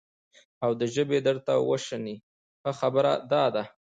او دا ژبې درته وشني، ښه خبره دا ده،